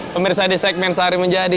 pemirsa di segmen sehari menjadi